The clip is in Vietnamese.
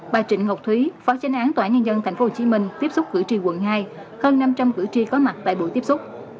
bà trịnh ngọc thúy phó chánh án tòa án nhân dân tp hcm tiếp xúc cử tri quận hai hơn năm trăm linh cử tri có mặt tại buổi tiếp xúc